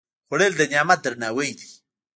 خوړل د نعمت درناوی دی